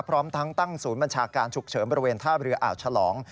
พร้อมทั้งตั้งศูนย์บัญชาการฉุกเฉินบริเวณท่าเรืออ่าวฉลอง